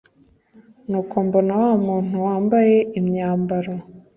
Nuko mbona wa muntu wambaye imyambaro